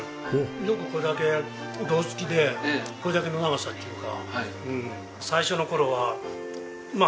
よくこれだけ胴搗きでこれだけの長さっていうか。